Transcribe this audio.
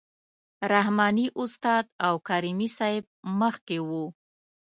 رحماني استاد او کریمي صیب مخکې وو.